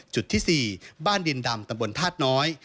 จุดที่๔บ้านดินดำตำบลธาตุน้อย